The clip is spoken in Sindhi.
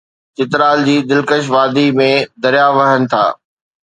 چترال جي دلڪش وادي ۾ درياهه وهن ٿا